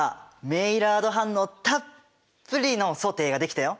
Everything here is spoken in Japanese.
メイラード反応たっぷりのソテーが出来たよ。